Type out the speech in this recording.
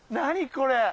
これ。